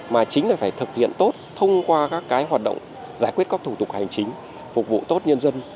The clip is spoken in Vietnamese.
mà chính là phải thực hiện tốt thông qua các cái hoạt động giải quyết các thủ tục hành chính phục vụ tốt nhân dân